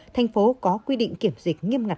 thành phố có quy định kiểm dịch nghiêm ngặt